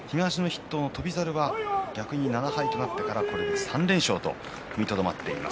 翔猿は逆に７敗となってから３連勝と踏みとどまっています。